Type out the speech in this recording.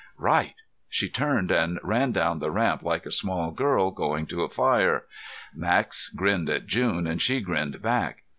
"Right!" She turned and ran down the ramp like a small girl going to a fire. Max grinned at June and she grinned back.